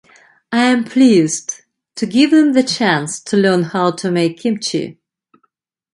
I'm pleased to give them the chance to learn how to make kimchi.